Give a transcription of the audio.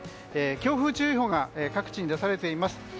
強風注意報が各地に出されています。